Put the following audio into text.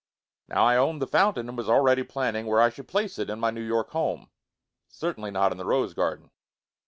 Now I owned the fountain and was already planning where I should place it in my New York home. Certainly not in the rose garden.